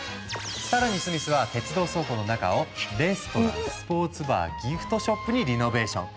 更にスミスは鉄道倉庫の中をレストランスポーツバーギフトショップにリノベーション。